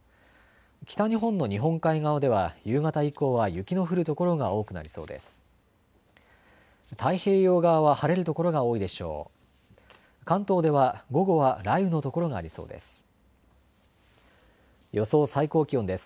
北日本の日本海側では夕方以降は雪の降る所が多くなりそうです。